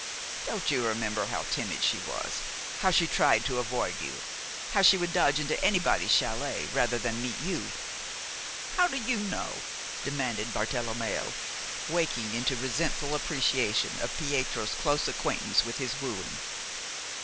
Don't you remember how timid she was, how she tried to avoid you, how she would dodge into anybody's chalet rather than meet you?" "But how do you know?" demanded Bartelommeo, waking into resentful appreciation of Pietro's close acquaintance with his wooing.